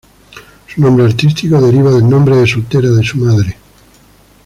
Su nombre artístico deriva del nombre de soltera de su madre.